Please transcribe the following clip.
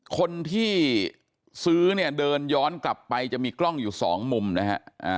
คนที่ซื้อเนี่ยเดินย้อนกลับไปจะมีกล้องอยู่สองมุมนะฮะ